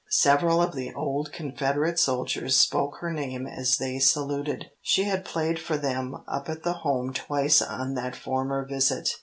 Several of the old Confederate soldiers spoke her name as they saluted. She had played for them up at the Home twice on that former visit.